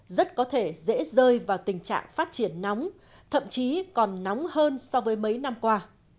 rất có thể dễ rơi vào tình trạng phát triển nóng thậm chí còn nóng hơn so với mấy năm qua